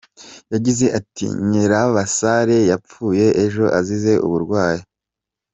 Yagize ati “Nyirabasare yapfuye ejo azize uburwayi.